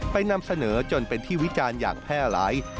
นำเสนอจนเป็นที่วิจารณ์อย่างแพร่หลาย